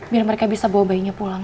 biar mereka bisa bawa bayinya pulang